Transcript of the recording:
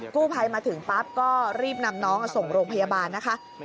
กู้ภัยมาถึงปั๊บก็รีบนำน้องส่งโรงพยาบาลนะคะ